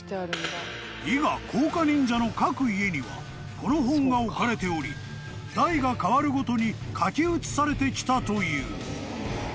［伊賀甲賀忍者の各家にはこの本が置かれており代がかわるごとに書き写されてきたという］